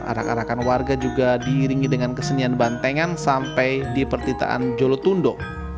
arak arakan warga juga diiringi dengan kesenian bantengan sampai di pertitaan jolotundo